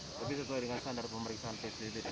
tapi setelah dengan standar pemeriksaan psdb